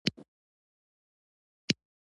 انډریو ډاټ باس سر وښوراوه